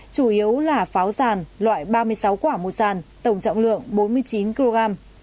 chủ yếu là pháo ràn loại ba mươi sáu quả một ràn tổng trọng lượng bốn mươi chín kg